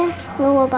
aku mau keluar aja dia